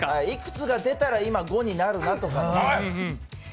幾つが出たら今、５になるなとか。